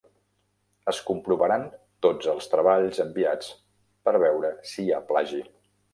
Es comprovaran tots els treballs enviats per veure si hi ha plagi.